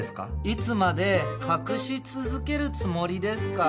いつまで隠し続けるつもりですか？